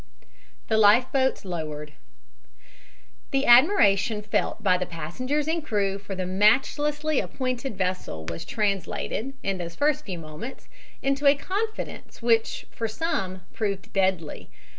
THE LIFE BOATS LOWERED The admiration felt by the passengers and crew for the matchlessly appointed vessel was translated, in those first few moments, into a confidence which for some proved deadly.